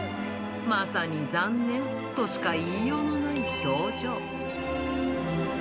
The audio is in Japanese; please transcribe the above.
まさに残念としか言いようのない表情。